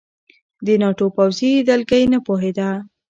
د ناټو پوځي دلګۍ نه پوهېده.